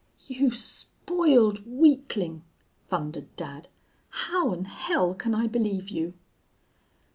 "You spoiled weaklin'!' thundered dad. 'How 'n hell can I believe you?'